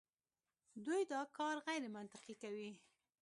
دوی دا کار غیرمنطقي کوي.